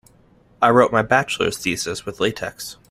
I wrote my bachelor thesis with latex.